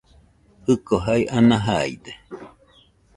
Jiko jae ana jaide.